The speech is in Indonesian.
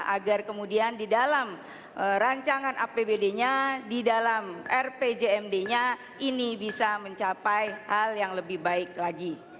agar kemudian di dalam rancangan apbd nya di dalam rpjmd nya ini bisa mencapai hal yang lebih baik lagi